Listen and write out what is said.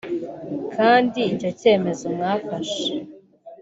Kandi icyo cyemezo mwafashe